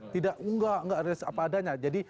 tidak enggak enggak ada apa adanya